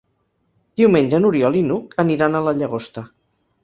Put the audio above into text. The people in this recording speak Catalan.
Diumenge n'Oriol i n'Hug aniran a la Llagosta.